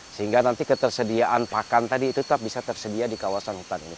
sehingga nanti ketersediaan pakan tadi itu tetap bisa tersedia di kawasan hutan ini